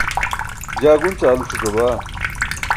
jaa gunc aalu ṣuc̣abaa